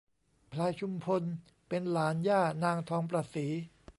พลายชุมพลเป็นหลานย่านางทองประศรี